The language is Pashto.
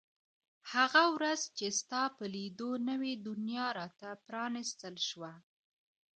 هغه ورځ چې ستا په لیدو نوې دنیا را ته پرانیستل شوه.